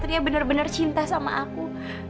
ternyata benar benar cinta sama aku